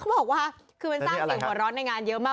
บอกว่าคือมันสร้างเสียงหัวร้อนในงานเยอะมาก